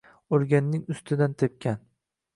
«o‘lganning ustidan tepgan»